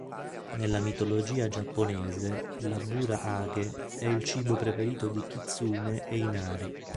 Nella mitologia giapponese l"'abura-age" è il cibo preferito di Kitsune e Inari.